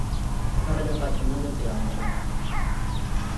ተፈረደባቸውና ዘብጥያ ወረዱ።